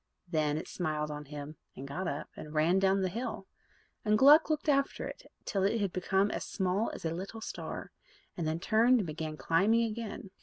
Then it smiled on him, and got up, and ran down the hill; and Gluck looked after it till it became as small as a little star, and then turned and began climbing again.